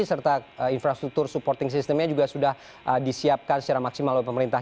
serta infrastruktur supporting systemnya juga sudah disiapkan secara maksimal oleh pemerintah